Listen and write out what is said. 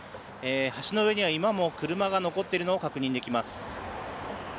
橋の上には今も車が残っているのを確認できます。